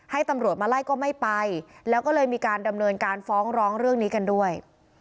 ให้ตำรวจมาไล่ก็ไม่ไปแล้วก็เลยมีการดำเนินการฟ้องร้องเรื่องนี้กันด้วย